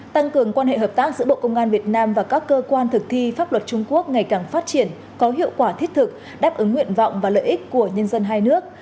tăng cường quan hệ hợp tác giữa bộ công an việt nam và các cơ quan thực thi pháp luật trung quốc ngày càng phát triển có hiệu quả thiết thực đáp ứng nguyện vọng và lợi ích của nhân dân hai nước